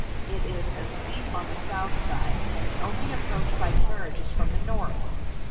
It is as steep on the south side, and the only approach by carriage is from the north.